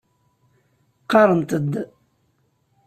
Qarrent-d.